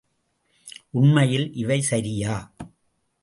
உண்மையில் இவை சரியா?